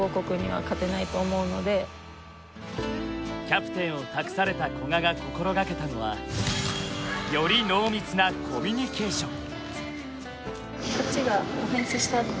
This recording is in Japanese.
キャプテンを託された古賀が心掛けたのはより濃密なコミュニケーション。